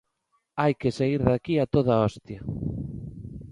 Hai que saír de aquí a toda hostia.